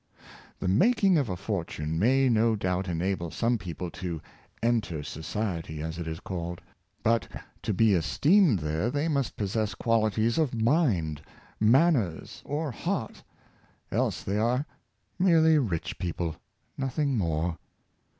" The making of a fortune may no doubt enable some people to " enter society," as it is called; but, to be es teemed there, they must possess qualities of mind, man ners, or heart, else they are merely rich people, nothing more.